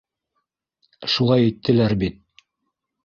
— Шулай иттеләр бит.